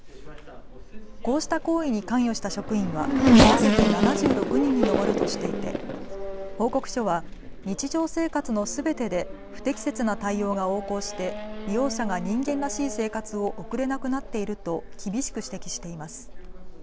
こうした行為に関与した職員は合わせて７６人に上るとしていて報告書は日常生活のすべてで不適切な対応が横行して利用者が人間らしい生活を送れなくなっていると厳しく指摘しています。